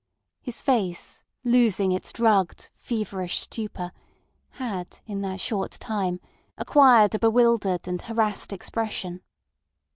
His face, losing its drugged, feverish stupor, had in that short time acquired a bewildered and harassed expression.